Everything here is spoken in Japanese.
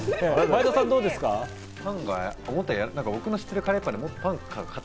前田さん、どうですか？